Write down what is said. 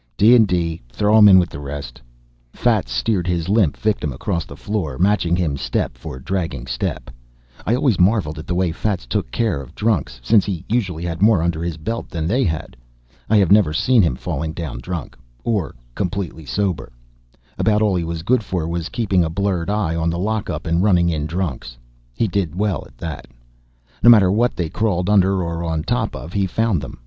"D and D. Throw him in with the rest." Fats steered his limp victim across the floor, matching him step for dragging step. I always marveled at the way Fats took care of drunks, since he usually had more under his belt than they had. I have never seen him falling down drunk or completely sober. About all he was good for was keeping a blurred eye on the lockup and running in drunks. He did well at that. No matter what they crawled under or on top of, he found them.